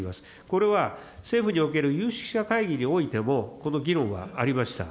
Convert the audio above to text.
これは政府における有識者会議においても、この議論がありました。